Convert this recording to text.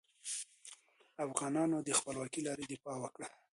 افغانانو د خپلواکې لارې دفاع وکړه.